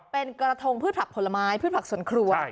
เป็นกระทงพืชผักผลไม้พืชผักสวนครัว